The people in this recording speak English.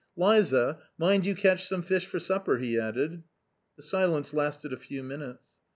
" Liza, mind you catch some fish for supper," he added. The silence lasted a few minutes.